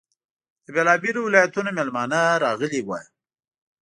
له بېلابېلو ولایتونو میلمانه راغلي وو.